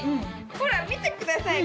ほら見てください